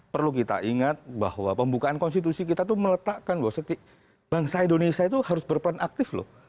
perlu kita ingat bahwa pembukaan konstitusi kita itu meletakkan bahwa setiap bangsa indonesia itu harus berperan aktif loh